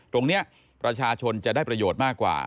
ตรงนี้ประชาชนจะได้ประโยชน์มากกว่า